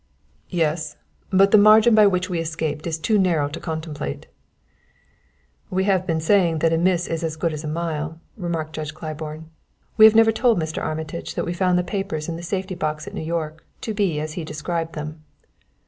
"Yes; but the margin by which we escaped is too narrow to contemplate." "We have a saying that a miss is as good as a mile," remarked Judge Claiborne. "We have never told Mr. Armitage that we found the papers in the safety box at New York to be as he described them."